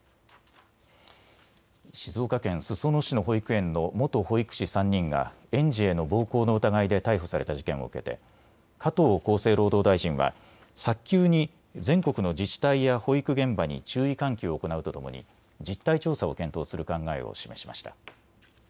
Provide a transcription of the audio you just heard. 静岡県裾野市の保育園の元保育士３人が園児への暴行の疑いで逮捕された事件を受けて加藤厚生労働大臣は早急に全国の自治体や保育現場に注意喚起を行うとともに実態調査を検討する考えを示しました。